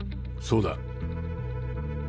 そうだ。